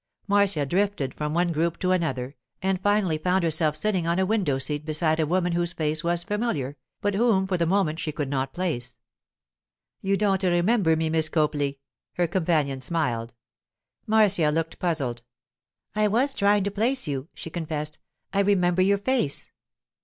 Marcia drifted from one group to another, and finally found herself sitting on a window seat beside a woman whose face was familiar, but whom for the moment she could not place. 'You don't remember me, Miss Copley?' her companion smiled. Marcia looked puzzled. 'I was trying to place you,' she confessed. 'I remember your face.